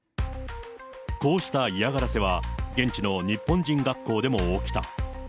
こうした嫌がらせは、現地の日本人学校でも起きた。